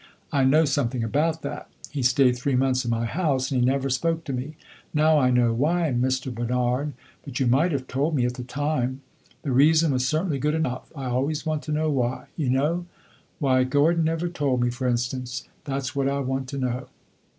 I know something about that! He stayed three months in my house and he never spoke to me. Now I know why, Mr. Bernard; but you might have told me at the time. The reason was certainly good enough. I always want to know why, you know. Why Gordon never told me, for instance; that 's what I want to know!"